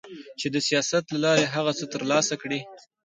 چي د سياست له لارې هغه څه ترلاسه کړي